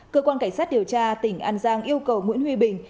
cơ quan cảnh sát điều tra tỉnh an giang yêu cầu nguyễn huy bình